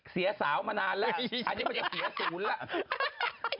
เสียสาวมานานแล้วอันนี้มันจะเสียศูนย์แล้ว